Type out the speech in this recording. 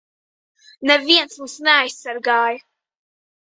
Neviens mūs neaizsargāja!